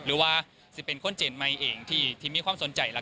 หรือว่าจะเป็นคนเจียนใหม่เองที่มีความสนใจหลัก